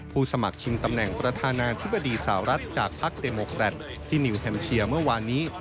สมัครชิงตำแหน่งประธานาธิบดีสาวรัฐจากพักเดโมแครตที่นิวแซมเชียเมื่อวานนี้